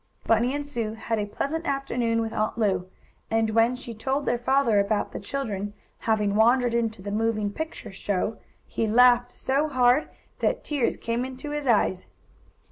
Bunny and Sue had a pleasant afternoon with Aunt Lu, and when she told their father about the children having wandered into the moving picture show, he laughed so hard that tears came into his eyes.